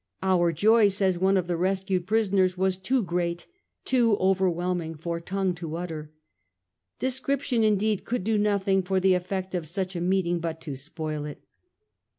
* Our joy,' says one of the rescued pri soners, ' was too great, too overwhelming, for tongue to utter.' Description, indeed, could do nothing for the effect of such a meeting but to spoil it.